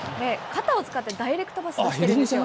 肩を使ったダイレクトパスなんですよ。